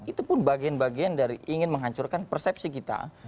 itu pun bagian bagian dari ingin menghancurkan persepsi kita